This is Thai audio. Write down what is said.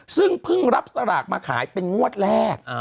ซึ่งเพิ่งรับสลากมาขายเป็นงวดแรก